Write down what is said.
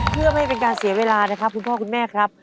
เพื่อไม่เป็นการเสียเวลานะครับคุณพ่อคุณแม่ครับ